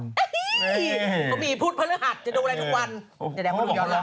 เขามีพุทธภรรหัสจะดูอะไรทุกวัน